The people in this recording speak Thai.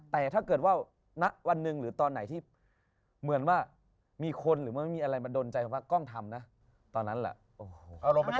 แต่ถ้าเกิดว่าณวันหนึ่งหรือตอนไหนที่เหมือนว่ามีคนหรือมันไม่มีอะไรมาดนใจคำว่ากล้องทำนะตอนนั้นแหละ